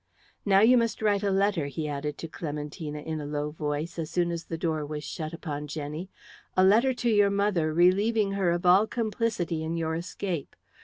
"Now you must write a letter," he added to Clementina, in a low voice, as soon as the door was shut upon Jenny. "A letter to your mother, relieving her of all complicity in your escape.